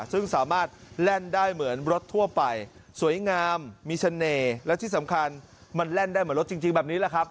ซึ่งสามารถแล่นได้เหมือนรถทั่วไปสวยงามมีเสน่ห์และที่สำคัญมันแล่นได้เหมือนรถจริงแบบนี้แหละครับ